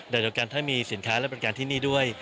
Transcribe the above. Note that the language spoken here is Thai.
แต่โดยกันถ้ามีสินค้าและประการที่นี่ด้วย